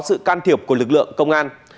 sự can thiệp của lực lượng công an